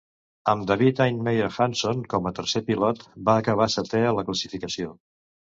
Amb David Heinemeier Hansson com a tercer pilot, va acabar setè a la classificació.